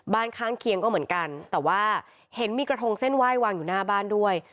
ข้างเคียงก็เหมือนกันแต่ว่าเห็นมีกระทงเส้นไหว้วางอยู่หน้าบ้านด้วย